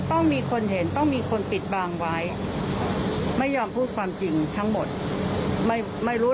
ก็จะได้เป็นเบาด้วยเพราะว่าคุณแม่ก็คิดว่าเขายังโกหกกันอยู่